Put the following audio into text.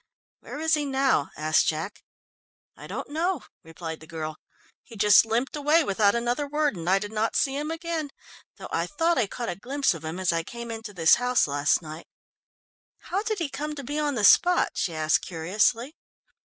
"Where is he now?" asked Jack. "I don't know," replied the girl. "He just limped away without another word and I did not see him again, though I thought I caught a glimpse of him as I came into this house last night. How did he come to be on the spot?" she asked curiously.